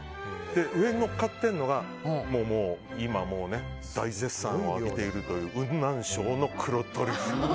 上にのっかっているのが今もう大絶賛を浴びているという雲南省の黒トリュフ。